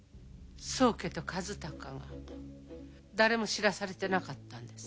宗家と和鷹が誰も知らされてなかったんです。